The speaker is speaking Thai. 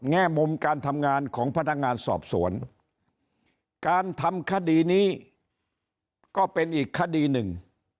แง่มุมการทำงานของพนักงานสอบสวนการทำคดีนี้ก็เป็นอีกคดีหนึ่ง